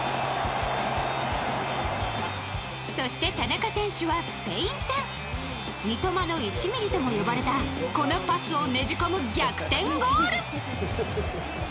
そして田中選手はスペイン戦！三笘の１ｍｍとも呼ばれたこのパスをねじ込む逆転ゴール！